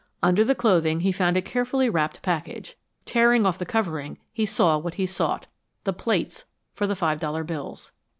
Under the clothing he found a carefully wrapped package. Tearing off the covering, he saw what he sought the plates for the five dollar bills.